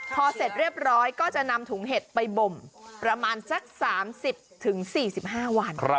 พอเสร็จเรียบร้อยก็จะนำถุงเห็ดไปบ่มประมาณสัก๓๐๔๕วัน